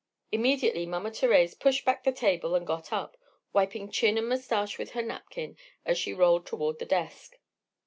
Immediately Mama Thérèse pushed back the table and got up, wiping chin and moustache with her napkin as she rolled toward the desk.